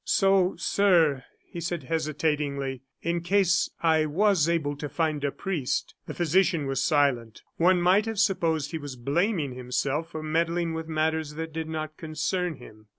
"So, sir," he said, hesitatingly, "in case I was able to find a priest " The physician was silent. One might have supposed he was blaming himself for meddling with matters that did not concern him.